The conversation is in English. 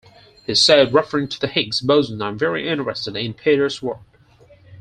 He said, referring to the Higgs boson, I am very interested in Peter's work.